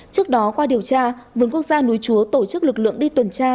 trước đó qua điều tra vườn quốc gia núi chúa tổ chức lực lượng đi tuần tra